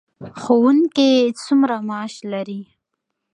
ښوونکي څومره معاش لري؟